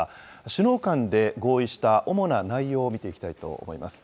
首脳間で合意した主な内容を見ていきたいと思います。